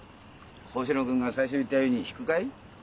星野君が最初に言ったように引くかい？